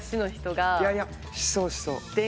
いやいやしそうしそう。